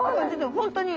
本当に。